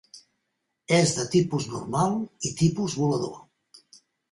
És de tipus normal i tipus volador.